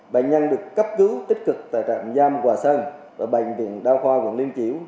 bệnh nhân được cấp cứu tích cực tại trạm giam hòa sơn ở bệnh viện đa khoa quận liên triểu